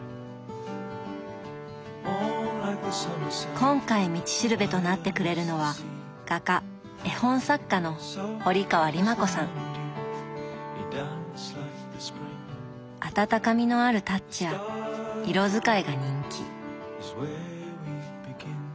今回「道しるべ」となってくれるのはあたたかみのあるタッチや色使いが人気。